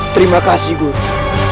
terima kasih guru